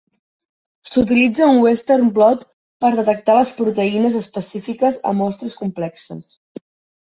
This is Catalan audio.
S"utilitza un Western blot per detectar les proteïnes específiques a mostres complexes.